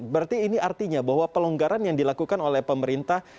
berarti ini artinya bahwa pelonggaran yang dilakukan oleh pemerintah